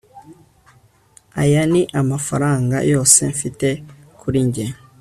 aya ni amafaranga yose mfite kuri njye